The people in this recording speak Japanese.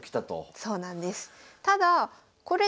そうなんです。